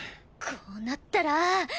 こうなったら。